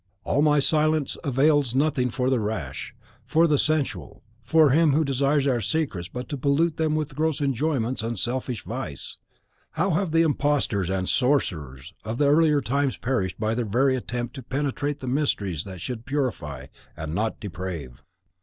all my silence avails nothing for the rash, for the sensual, for him who desires our secrets but to pollute them to gross enjoyments and selfish vice. How have the imposters and sorcerers of the earlier times perished by their very attempt to penetrate the mysteries that should purify, and not deprave!